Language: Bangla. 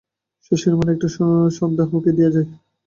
শশীর মনে একটা সন্দেহ উকি দিয়া যায়।